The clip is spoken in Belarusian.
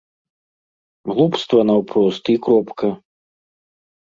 Глупства наўпрост, і кропка!